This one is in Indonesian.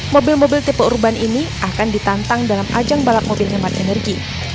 mobil mobil tipe urban ini akan ditantang dalam ajang balap mobil hemat energi